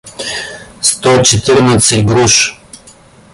сто четырнадцать груш